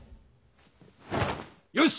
よし！